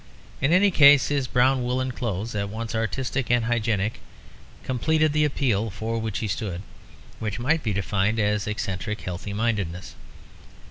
In any case his brown woollen clothes, at once artistic and hygienic, completed the appeal for which he stood; which might be defined as an eccentric healthy mindedness.